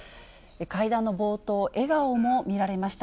会談の冒頭、笑顔も見られました。